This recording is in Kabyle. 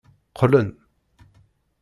Qqlen.